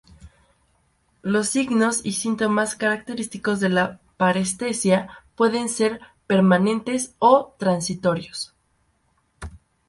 Los signos y síntomas característicos de la parestesia pueden ser permanentes o transitorios.